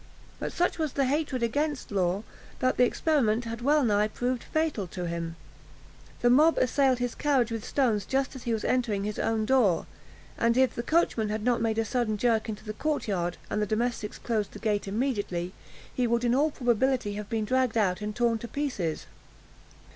But such was the hatred against Law that the experiment had well nigh proved fatal to him. The mob assailed his carriage with stones just as he was entering his own door; and if the coachman had not made a sudden jerk into the court yard, and the domestics closed the gate immediately, he would, in all probability, have been dragged out and torn to pieces.